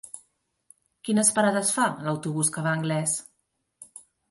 Quines parades fa l'autobús que va a Anglès?